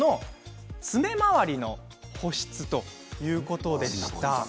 爪周りの保湿ということでした。